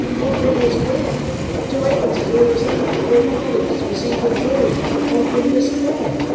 One penny a square! Two half pence is all the same, and four farthings is received with joy. One penny a square!